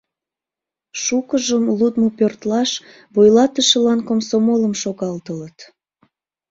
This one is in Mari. Шукыжым лудмо пӧртлаш вуйлатышылан комсомолым шогалтылыт.